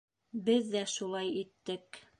Беҙ ҙә шулай иттек.